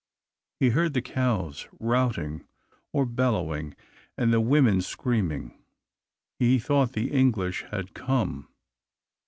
He heard the cows "routing," or bellowing, and the women screaming. He thought the English had come.